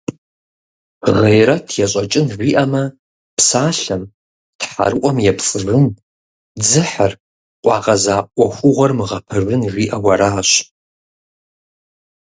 «Гъейрэт ещӀэкӏын» жиӏэмэ, псалъэм, тхьэрыӀуэм епцӀыжын, дзыхьыр, къуагъэза Ӏуэхугъуэр мыгъэпэжын, жиӏэу аращ.